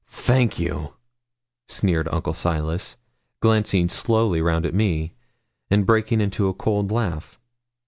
Thank you,' sneered Uncle Silas, glancing slowly round at me, and breaking into a cold laugh.